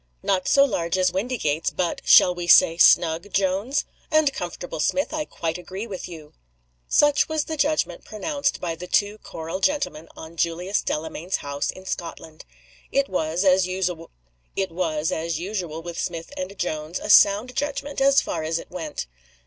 "NOT SO large as Windygates. But shall we say snug, Jones?" "And comfortable, Smith. I quite agree with you." Such was the judgment pronounced by the two choral gentlemen on Julius Delamayn's house in Scotland. It was, as usual with Smith and Jones, a sound judgment as far as it went.